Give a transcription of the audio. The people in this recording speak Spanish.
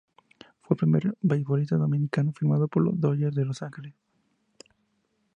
Fue el primer beisbolista dominicano firmado por los "Dodgers de Los Angeles".